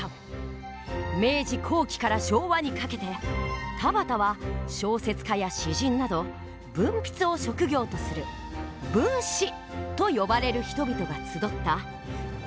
明治後期から昭和にかけて田端は小説家や詩人など文筆を職業とする文士と呼ばれる人々が集った文士村でした。